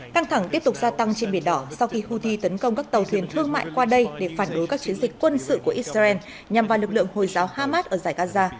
căng thẳng tiếp tục gia tăng trên biển đỏ sau khi houthi tấn công các tàu thuyền thương mại qua đây để phản đối các chiến dịch quân sự của israel nhằm vào lực lượng hồi giáo hamas ở giải gaza